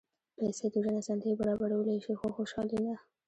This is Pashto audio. پېسې د ژوند اسانتیاوې برابرولی شي، خو خوشالي نه.